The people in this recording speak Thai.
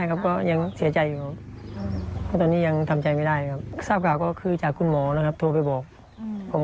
ครับก็คือเขาไม่กล้าสู้หน้าพ่อไหม